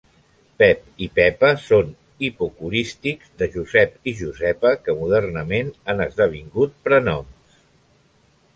Pep i Pepa són hipocorístics de Josep i Josepa que modernament han esdevingut prenoms.